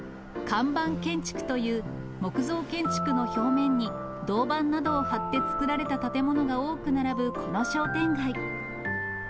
看板建築という、木造建築の表面に銅板などを張って作られた建物が多く並ぶこの商店街。